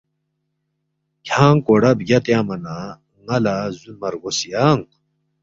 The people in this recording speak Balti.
کھیانگ کوڑا بگیا تیانگما نہ ن٘ا لہ زُونما رگوس ینگ